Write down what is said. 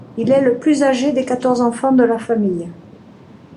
Il est le plus âgé des quatorze enfants de la famille.